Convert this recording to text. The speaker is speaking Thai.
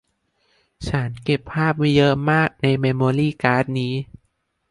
ฉันเก็บภาพไว้เยอะมากในเมมโมรี่การ์ดนี้